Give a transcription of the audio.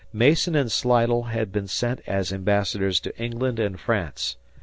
Mason and Slidell had been sent as ambassadors to England and France.